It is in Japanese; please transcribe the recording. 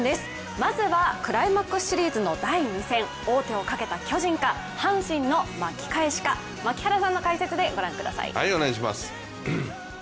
まずはクライマックスシリーズの第２戦王手をかけた巨人か阪神の巻き返しか槙原さんの解説で御覧ください。